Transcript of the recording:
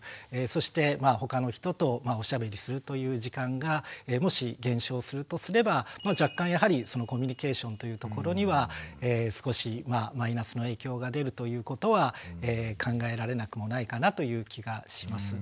そしてまあ他の人とおしゃべりするという時間がもし減少するとすれば若干やはりコミュニケーションというところには少しマイナスの影響が出るということは考えられなくもないかなという気がします。